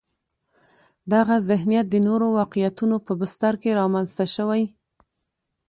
دغه ذهنیت د نورو واقعیتونو په بستر کې رامنځته شوی.